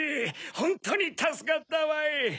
ホントにたすかったわい！